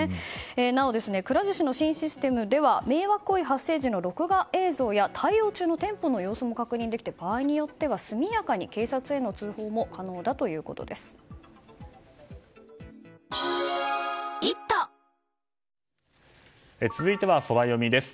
なお、くら寿司の新システムでは迷惑行為発生時の録画映像や対応中の店舗の様子も確認できて場合によっては速やかに警察への通報も続いてはソラよみです。